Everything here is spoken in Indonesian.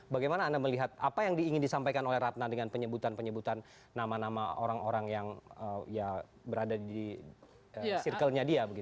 bagaimana anda melihat apa yang ingin disampaikan oleh ratna dengan penyebutan penyebutan nama nama orang orang yang berada di circle nya dia